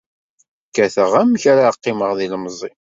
KkateƔ amek ara qqimeƔ d ilemẓi.